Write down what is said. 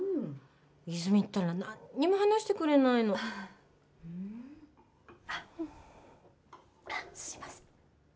泉ったら何も話してくれないのあっすいません